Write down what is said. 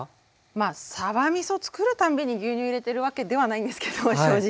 まあさばみそつくる度に牛乳入れてるわけではないんですけど正直。